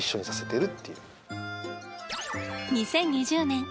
２０２０年